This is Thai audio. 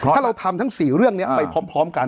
ถ้าเราทำทั้ง๔เรื่องนี้ไปพร้อมกัน